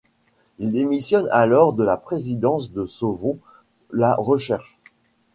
Il démissionne alors de la présidence de Sauvons la recherche.